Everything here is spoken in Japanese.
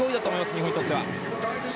日本にとっては。